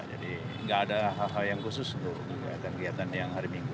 jadi tidak ada hal hal yang khusus untuk kegiatan kegiatan yang hari minggu